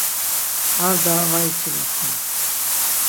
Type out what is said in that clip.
Ar daha var içilasen.